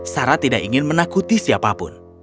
sarah tidak ingin menakuti siapapun